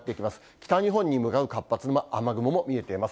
北日本に向かう活発な雨雲も見えています。